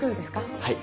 はい。